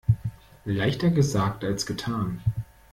Leichter gesagt als getan.